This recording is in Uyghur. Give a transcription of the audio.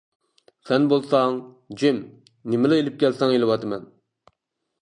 سەن بولساڭ، جىم. نېمىلا ئېلىپ كەلسەڭ ئېلىۋاتىمەن.